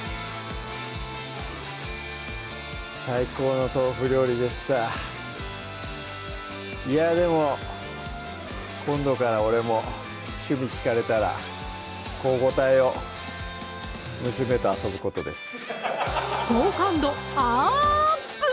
最高の豆腐料理でしたいやでも今度から俺も趣味聞かれたらこう答えよう好感度アップ！